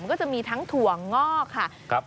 ก็จะมีทั้งถั่วงอกค่ะ